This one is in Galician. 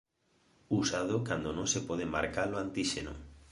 Usado cando non se pode marcar o antíxeno.